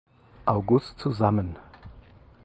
August zusammen.